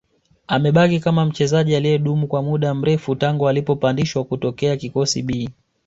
Amebaki kama mchezaji aliyedumu kwa muda mrefu tangu alipopandishwa kutokea kikosi B